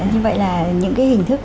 như vậy là những cái hình thức